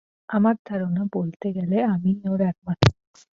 আমার ধারণা, বলতে গেলে, আমিই ওর একমাত্র বন্ধু।